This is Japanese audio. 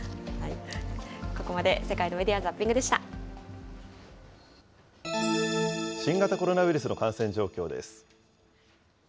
ここまで世界のメディア・ザッピ新型コロナウイルスの感染状況です。